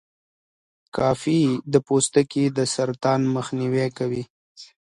کافي د پوستکي د سرطان مخنیوی کوي.